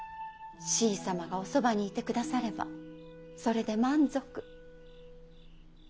しい様がおそばにいてくださればそれで満足。